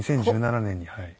２０１７年にはい。